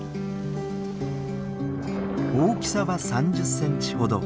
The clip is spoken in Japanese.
大きさは３０センチほど。